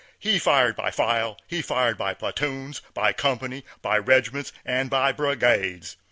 He fired by file, he fired by platoons, by company, by regiments, and by brigades.